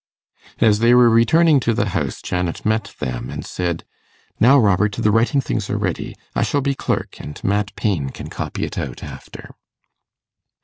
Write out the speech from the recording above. As they were returning to the house, Janet met them, and said, 'Now, Robert, the writing things are ready. I shall be clerk, and Mat Paine can copy it out after.